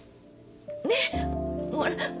ねっほら